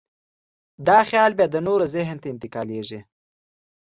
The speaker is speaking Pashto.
دا خیال بیا د نورو ذهن ته انتقالېږي.